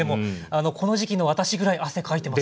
この時期の私ぐらい汗かいてますね。